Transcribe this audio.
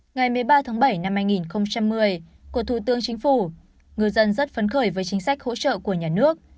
ngày một mươi ba tháng bảy năm hai nghìn một mươi của thủ tướng chính phủ người dân rất phấn khởi với chính sách hỗ trợ của nhà nước